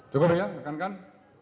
cukup ya dekan dekan